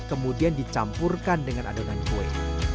kemudian dicampurkan dengan adonan kue